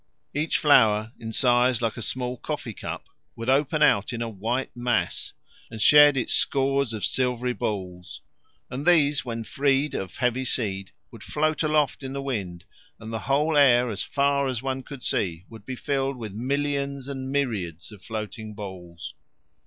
Each flower, in size like a small coffee cup, would open out in a white mass and shed its scores of silvery balls, and these when freed of heavy seed would float aloft in the wind, and the whole air as far as one could see would be filled with millions and myriads of floating balls.